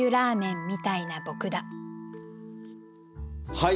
はい。